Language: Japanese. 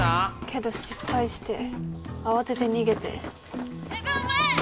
けど失敗して慌てて逃げてセブン前！